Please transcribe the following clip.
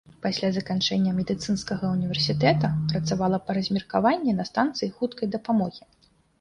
Пасля заканчэння медыцынскага ўніверсітэта працавала па размеркаванні на станцыі хуткай дапамогі.